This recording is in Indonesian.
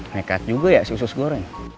nekat juga ya si usus goreng